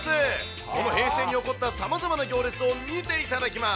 この平成に起こったさまざまな行列を見ていただきます。